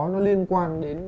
nó liên quan đến